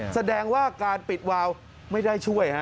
แสดงว่าการปิดวาวไม่ได้ช่วยฮะ